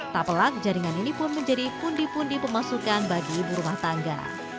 tak pelak jaringan ini pun menjadi pundi pundi pemasukan bagi ibu rumah tangga